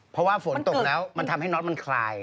เพราะว่าฝนตกแล้วมันทำให้น็อตมันคลาย